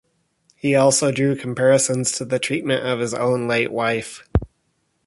He also drew comparisons to the treatment of his own late wife.